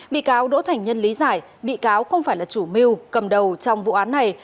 bị cáo đỗ thành nhân lý giải bị cáo không phải là chủ mưu cầm đầu trong vụ án này